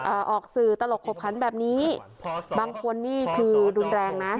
ออกสื่อตลกขบขันแบบนี้บางคนนี่คือรุนแรงนะ